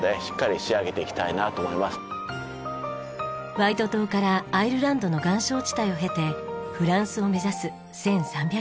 ワイト島からアイルランドの岩礁地帯を経てフランスを目指す１３００キロ。